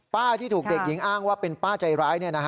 ป้าที่ถูกเด็กหญิงอ้างว่าเป็นป้าใจร้ายเนี่ยนะฮะ